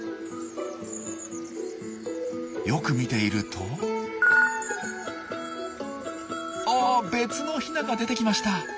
よく見ているとあ別のヒナが出てきました。